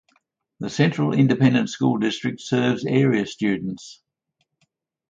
The Central Independent School District serves area students.